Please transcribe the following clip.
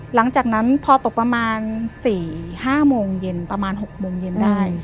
หลังจากนั้นพอตกประมาณ๔๕โมงเย็นประมาณ๖โมงเย็นได้